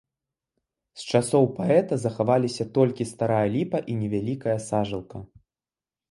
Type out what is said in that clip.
З часоў паэта захаваліся толькі старая ліпа і невялікая сажалка.